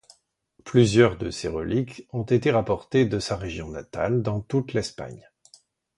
Plusieurs de ses reliques ont été rapportées de sa région natale dans toute l'Espagne.